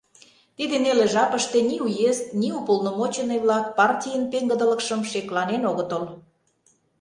Тиде неле жапыште ни уезд, ни уполномоченный-влак партийын пеҥгыдылыкшым шекланен огытыл.